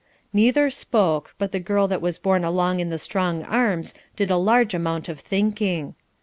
Neither spoke, but the girl that was borne along in the strong arms did a large amount of thinking.